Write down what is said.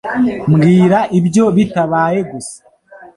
Mbwira ibyo bitabaye gusa